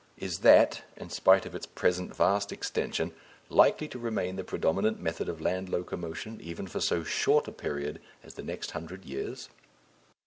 Is that, in spite of its present vast extension, likely to remain the predominant method of land locomotion even for so short a period as the next hundred years?